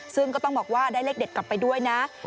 ซึ่งก็ต้องบอกว่าได้เลขเด็ดกลับไปด้วยนะ